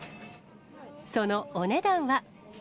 そのお値段は。